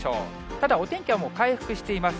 ただお天気は回復しています。